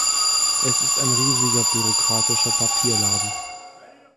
Es ist ein riesiger bürokratischer Papierladen.